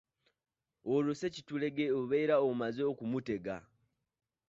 Olwo ssekitulege obeera omaze okumutegeka.